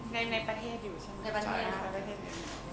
เนื่องให้ใครที่จะไป